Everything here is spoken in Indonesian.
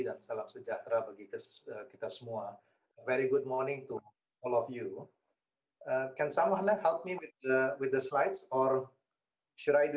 dan perangkat lezat berhenti